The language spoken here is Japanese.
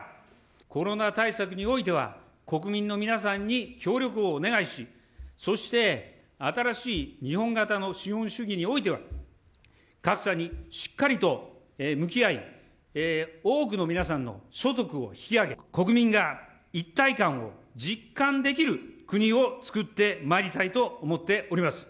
コロナ対策においては、国民の皆さんに協力をお願いし、そして新しい日本型の資本主義においては、格差にしっかりと向き合い、多くの皆さんの所得を引き上げ、国民が一体感を実感できる国を作ってまいりたいと思っております。